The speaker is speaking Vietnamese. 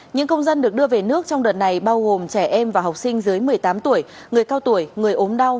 những công dân được đưa về nước trong đợt này bao gồm trẻ em và học sinh dưới một mươi tám tuổi người cao tuổi người ốm đau